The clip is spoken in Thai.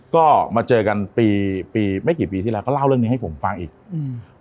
ก็มาเจอกันปีปีไม่กี่ปีที่แล้วก็เล่าเรื่องนี้ให้ผมฟังอีกอืม